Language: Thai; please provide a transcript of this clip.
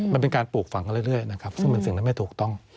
มันเป็นการปลูกฝังกันเรื่อยนะครับซึ่งเป็นสิ่งนั้นไม่ถูกต้อง